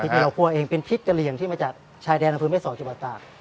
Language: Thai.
พริกที่เราคั่วเองเป็นพริกกระเหลี่ยงที่มาจากชายแดนละพื้นเมษอจิบอัตตาก